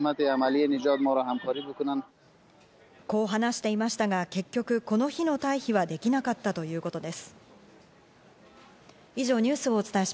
こう話していましたが、結局この日の退避はできなかったということです。